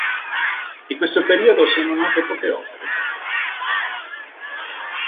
Di questo periodo sono note poche opere.